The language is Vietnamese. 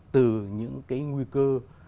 từ những cái nguy cơ